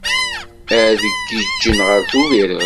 Ad giǧǧen ɣer Tubiret?